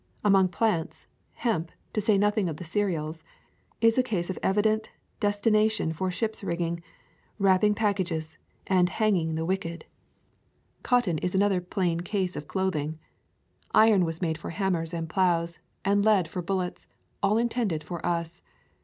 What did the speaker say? Among plants, hemp, to say nothing of the cereals, is a case of evident destination for ships' rigging, wrapping pack ages, and hanging the wicked. Cotton is an [ 137 ] A Thousand Muile W alk other plain case of clothing. Iron was made for hammers and ploughs, and lead for bullets; all intended for us.